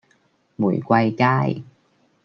玫瑰街